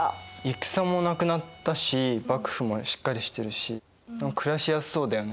戦もなくなったし幕府もしっかりしてるし暮らしやすそうだよね。